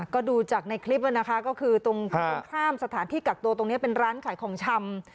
ก็ดูจากในคลิปนะคะก็คือตรงข้ามสถานที่กักตัวตรงนี้เป็นร้านขายของชำ